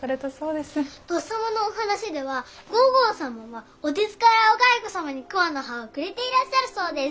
とっさまのお話では皇后様はお手ずからお蚕様に桑の葉をくれていらっしゃるそうです。